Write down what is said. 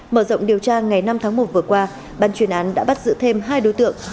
mở rộng điều tra ngày năm tháng một vừa qua ban chuyên án đã bắt giữ thêm hai đối tượng